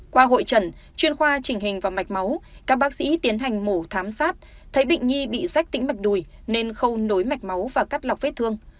qua hội trần chuyên khoa chỉnh hình và mạch máu các bác sĩ tiến hành mổ thám sát thấy bệnh nhi bị rách tĩnh mạch đùi nên khâu nối mạch máu và cắt lọc vết thương